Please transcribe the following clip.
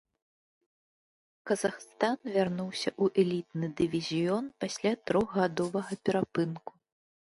Казахстан вярнуўся ў элітны дывізіён пасля трохгадовага перапынку.